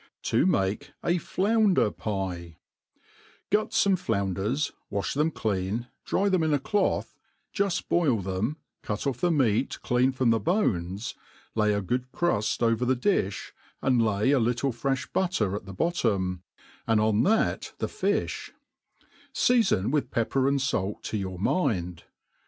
To make a Fbunder^Pte* ^ GUT fome flounders, wafli them clean, dry them in a cloth, juft'boil them, cuto£F the meat clean from the bones, lay a good cruH over the diih, and lay a little freib butter at the bottom, and on that the fiih ; feafon with pepper and fait to your mind.